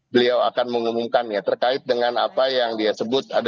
beliau akan mengumumkannya terkait dengan apa yang dia sebut